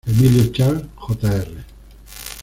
Emilio Charles, Jr.